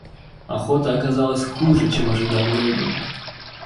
Охота оказалась хуже, чем ожидал Левин.